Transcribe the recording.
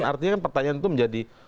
artinya pertanyaan itu menjadi